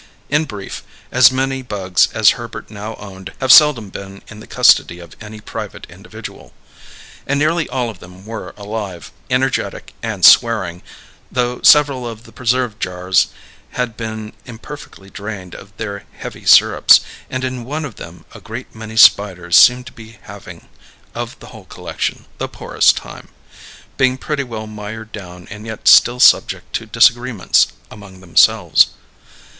In brief, as many bugs as Herbert now owned have seldom been seen in the custody of any private individual. And nearly all of them were alive, energetic and swearing, though several of the preserve jars had been imperfectly drained of their heavy syrups, and in one of them a great many spiders seemed to be having, of the whole collection, the poorest time; being pretty well mired down and yet still subject to disagreements among themselves.